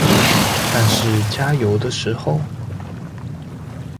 但是加油的時候